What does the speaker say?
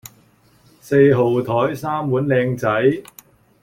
四號枱三碗靚仔